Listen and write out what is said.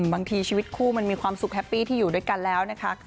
ชีวิตคู่มันมีความสุขแฮปปี้ที่อยู่ด้วยกันแล้วนะคะ